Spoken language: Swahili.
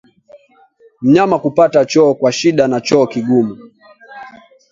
Mnyama kupata choo kwa shida na choo kigumu